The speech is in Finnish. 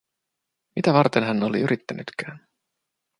Mitä varten hän oli yrittänytkään.